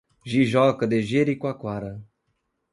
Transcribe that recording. Jijoca de Jericoacoara